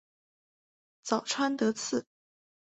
早川德次